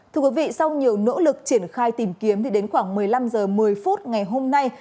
thưa quý vị sau nhiều nỗ lực triển khai tìm kiếm thì đến khoảng một mươi năm h một mươi phút ngày hôm nay